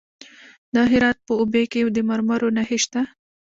د هرات په اوبې کې د مرمرو نښې شته.